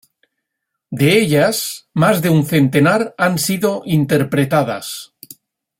De ellas, más de un centenar han sido interpretadas.